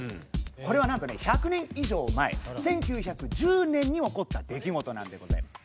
これはなんとね１００年以上前１９１０年に起こった出来事なんでございます。